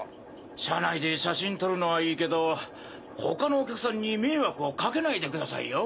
車内で写真撮るのはいいけど他のお客さんに迷惑をかけないでくださいよ。